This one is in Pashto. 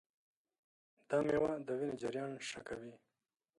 دا مېوه د وینې جریان ښه کوي.